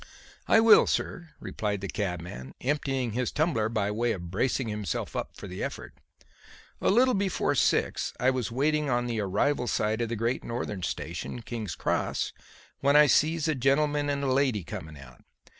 "I will, sir," replied the cabman, emptying his tumbler by way of bracing himself up for the effort. "A little before six I was waiting on the arrival side of the Great Northern Station, King's Cross, when I see a gentleman and a lady coming out.